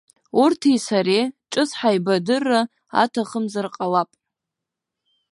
Урҭи сареи ҿыц ҳаибардырра аҭахымзар ҟалап.